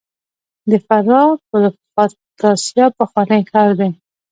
د فراه پروفتاسیا پخوانی ښار دی